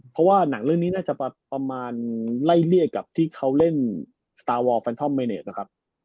เพราะว่าหนังเรื่องนี้น่าจะประมาณไล่เรียกกับที่เขาเล่นสตาร์วอลแฟนทอมเมเนตนะครับ